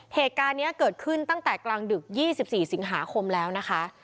เหตุการณ์นี้เกิดขึ้นตั้งแต่กลางดึก๒๔สิงหาคมแล้วนะคะ